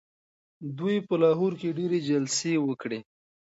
دوی په لاهور کي ډیري جلسې وکړې.